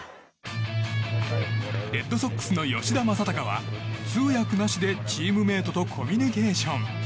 レッドソックスの吉田正尚は通訳なしでチームメートとコミュニケーション。